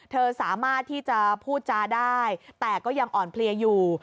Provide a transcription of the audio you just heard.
สามารถที่จะพูดจาได้แต่ก็ยังอ่อนเพลียอยู่